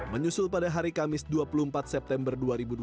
menyusul pada hari kamis dua puluh empat september dua ribu dua puluh